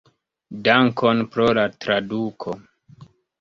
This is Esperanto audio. Dankon pro la traduko.